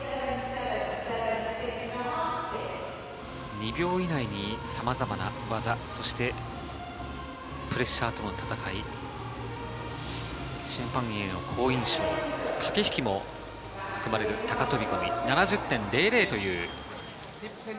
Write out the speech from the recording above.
２秒以内にさまざまな技、そしてプレッシャーとの戦い、審判員への好印象、駆け引きも含まれる高飛び込み。